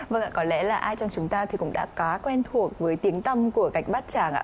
vâng ạ có lẽ là ai trong chúng ta cũng đã có quen thuộc với tiếng tâm của gạch bát tràng